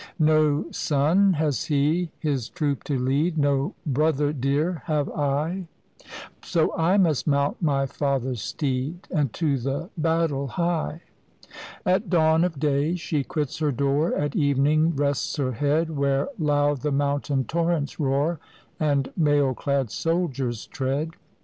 "No son has he his troop to lead. No brother dear have I; 58 MULAN, THE MAIDEN CHIEF So I must mount my father's steed, And to the battle hie." At dawn of day she quits her door, At evening rests her head Where loud the mountain torrents roar And mail clad soldiers tread.